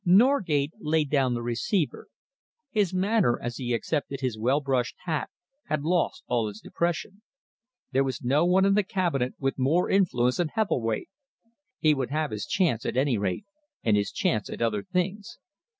Norgate laid down the receiver. His manner, as he accepted his well brushed hat, had lost all its depression. There was no one in the Cabinet with more influence than Hebblethwaite. He would have his chance, at any rate, and his chance at other things.